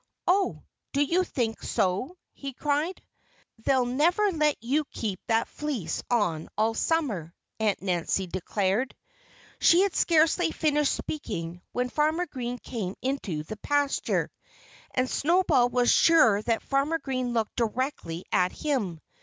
"Oh! Do you think so?" he cried. "They'll never let you keep that fleece on all summer," Aunt Nancy declared. She had scarcely finished speaking when Farmer Green came into the pasture. And Snowball was sure that Farmer Green looked directly at him.